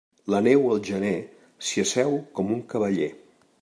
La neu al gener, s'hi asseu com un cavaller.